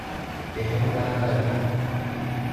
بهم نه نگو